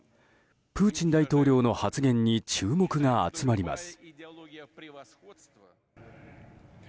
プーチン大統領の発言に注目が集まります。